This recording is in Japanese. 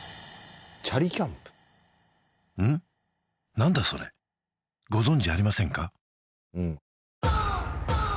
何だそれご存じありませんか？